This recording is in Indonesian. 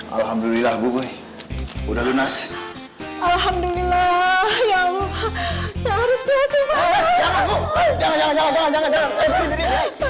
alhamdulillah gue udah lunas alhamdulillah ya allah harus berarti